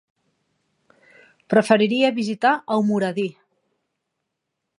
Preferiria visitar Almoradí.